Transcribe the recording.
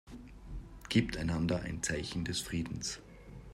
Gebt einander ein Zeichen des Friedens.